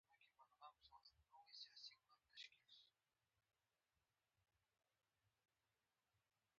سنگ مرمر د افغانستان د طبیعت برخه ده.